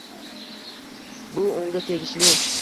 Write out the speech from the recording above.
Bu unga tegishli